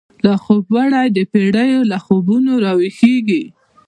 لا خوب وړی دپیړیو، له خوبونو را وښیږیږی